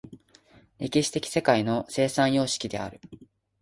歴史的世界の生産様式である。